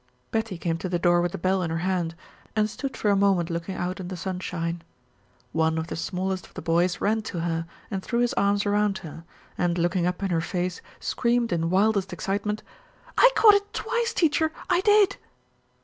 Betty came to the door with the bell in her hand, and stood for a moment looking out in the sunshine. One of the smallest of the boys ran to her and threw his arms around her, and, looking up in her face, screamed in wildest excitement, "I caught it twice, Teacher, I did."